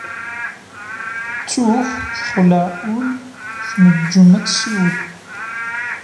Ttuɣ texleɛ ul tnejjem ad tessiwel.